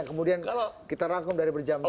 kemudian kalau kita rangkum dari berjam jam